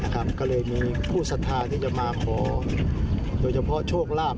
ก็เลยมีผู้สัทธาที่จะมาขอโดยเฉพาะโชคลาภ